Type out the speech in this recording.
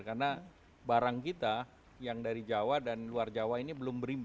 karena barang kita yang dari jawa dan luar jawa ini belum berimbang